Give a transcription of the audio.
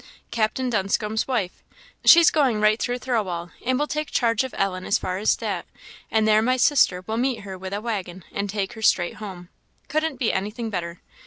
Captain Dunscombe's wife she's going right through Thirlwall, and will take charge of Ellen as far as that, and there my sister will meet her with a waggon and take her straight home. Couldn't be anything better.